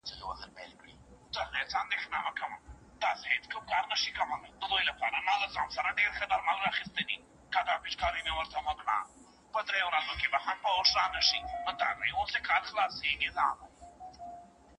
پکښی ځای سوي دي